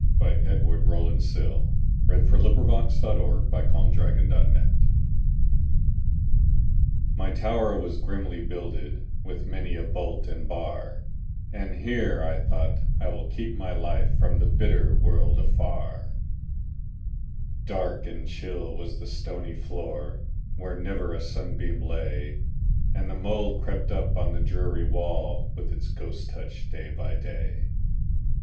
1912. Edward Rowland Sill 1841–1887 Edward Rowland Sill 207 The Open Window MY tower was grimly builded, With many a bolt and bar,"And here," I thought, "I will keep my lifeFrom the bitter world afar."Dark and chill was the stony floor, Where never a sunbeam lay, And the mould crept up on the dreary wall, With its ghost touch, day by day.